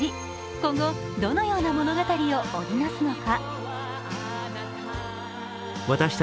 今後、どのような物語を織り成すのか。